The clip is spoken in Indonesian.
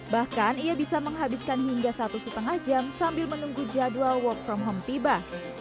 bahkan ia bisa menghabiskan hingga satu lima jam sambil menunggu jadwal work from home tiba